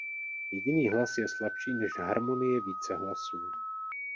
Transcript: Jediný hlas je slabší než harmonie více hlasů.